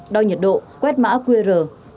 đo nhiệt độ quét mã qr